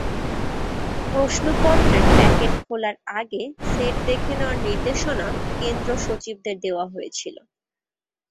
প্রশ্নপত্রের packet খোলার আগে set দেখে নেওয়ার নির্দেশনা কেন্দ্রসচিবদের দেওয়া হয়েছিল।